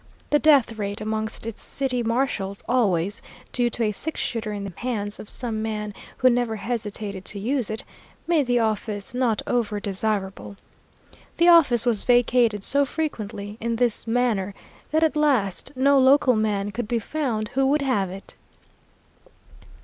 The death rate amongst its city marshals always due to a six shooter in the hands of some man who never hesitated to use it made the office not over desirable. The office was vacated so frequently in this manner that at last no local man could be found who would have it.